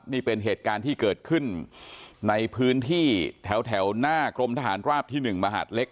นี่เป็นเหตุการณ์ที่เกิดขึ้นในพื้นที่แถวหน้ากรมทหารราบที่๑มหาดเล็ก